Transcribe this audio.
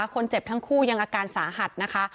คนเจ็บทั้งคู่ยังอาการสาหัสนะคะ